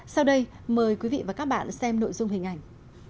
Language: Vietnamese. sau đây mời quý vị và các bạn xem nội dung hình ảnh